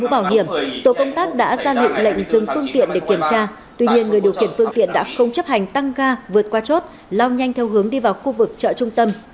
trước đó vào ngày hai mươi bốn tháng chín tổ công tác đã ra lệnh dừng phương tiện để kiểm tra tuy nhiên người điều khiển phương tiện đã không chấp hành tăng ga vượt qua chốt lao nhanh theo hướng đi vào khu vực trợ trung tâm